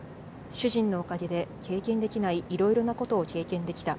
主人のおかげで経験できないいろいろなことを経験できた。